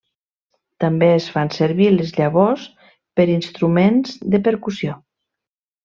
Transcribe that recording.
També es fan servir les llavors per instruments de percussió.